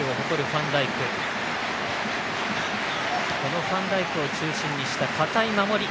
ファンダイクを中心にした堅い守り